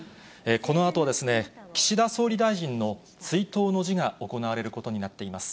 このあと、岸田総理大臣の追悼の辞が行われることになっています。